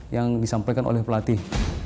yang disampaikan oleh pelatih